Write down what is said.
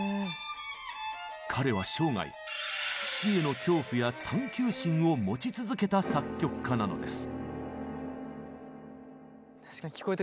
彼は生涯「死」への恐怖や探求心を持ち続けた作曲家なのです。